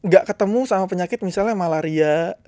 gak ketemu sama penyakit misalnya malaria